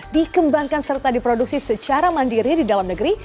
dikembangkan serta diproduksi secara mandiri di dalam negeri